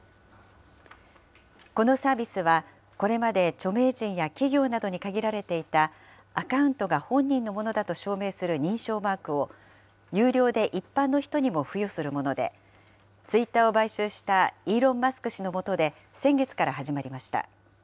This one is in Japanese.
このサービスは、これまで著名人や企業などに限られていたアカウントが本人のものだと証明する認証マークを、有料で一般の人にも付与するもので、ツイッターを買収したイーロン・マスク氏の下で、先月から始まりました。